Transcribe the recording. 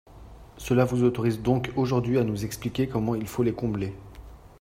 Cela vous autorise donc aujourd’hui à nous expliquer comment il faut les combler.